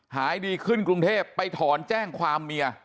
หายดีขึ้นกรุงเทพไปถอนแจ้งความเมีย